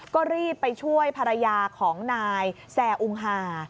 ก็รีบไปช่วยภรรยาของนายแซ่อุงหา